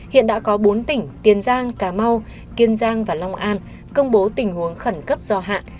hiện đã có bốn tỉnh tiền giang cà mau kiên giang và long an công bố tình huống khẩn cấp do hạn